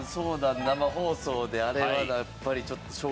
生放送であれはやっぱりちょっと衝撃。